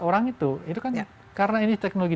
orang itu karena ini teknologi